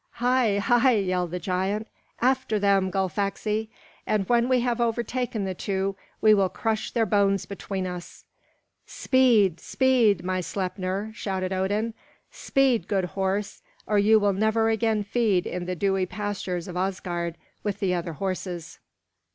"Hi, hi!" yelled the giant. "After them, Gullfaxi! And when we have overtaken the two, we will crush their bones between us!" "Speed, speed, my Sleipnir!" shouted Odin. "Speed, good horse, or you will never again feed in the dewy pastures of Asgard with the other horses.